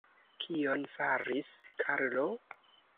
Kion faris Karlo?